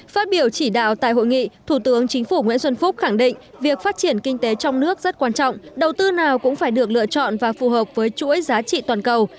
phát biểu chỉ đạo tại hội nghị thủ tướng chính phủ nguyễn xuân phúc khẳng định việc phát triển kinh tế trong nước rất quan trọng đầu tư nào cũng phải được lựa chọn và phù hợp với chuỗi giá trị toàn cầu